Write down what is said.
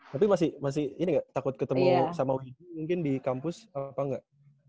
tapi masih ini nggak takut ketemu sama wibi mungkin di kampus apa enggak